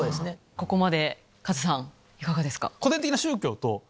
ここまでカズさんいかがですか？